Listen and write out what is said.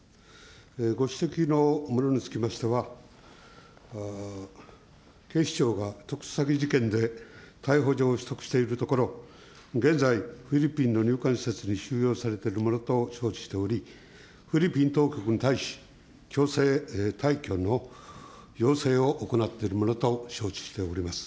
ご指摘のものにつきましては、警視庁が特殊詐欺事件で逮捕状を取得しているところ、現在、フィリピンの入管施設に収容されているものと承知しており、フィリピン当局に対し、強制退去の要請を行っているものと承知しております。